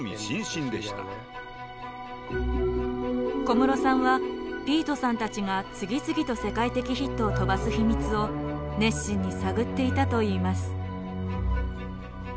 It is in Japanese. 小室さんはピートさんたちが次々と世界的ヒットを飛ばす秘密を熱心に探っていたといいます。